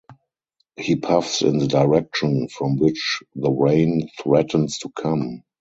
He puffs in the direction from which the rain threatens to come.